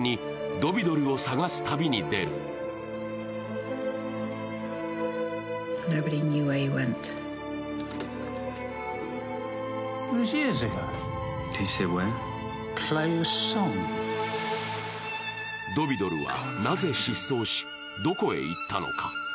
ドヴィドルはなぜ失踪しどこへ行ったのか。